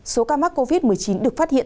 số ca mắc covid một mươi chín được phát hiện